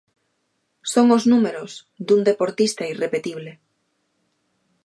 Son os números dun deportista irrepetible.